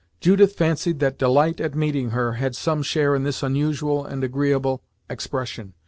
Judith fancied that delight at meeting her had some share in this unusual and agreeable expression.